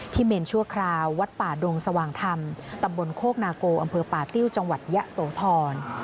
เมนชั่วคราววัดป่าดงสว่างธรรมตำบลโคกนาโกอำเภอป่าติ้วจังหวัดยะโสธร